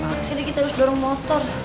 kesini kita harus dorong motor